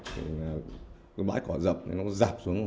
thì cái bãi cỏ dập nó dạp xuống